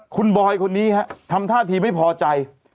คุณบอยคนนี้ฮะทำท่าทีไม่พอใจ